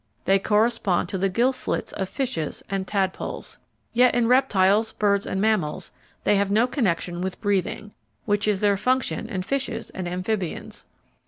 They correspond to the gill slits of fishes and tadpoles. Yet in reptiles, birds, and mammals they have no connection with breathing, which is their function in fishes and amphibians.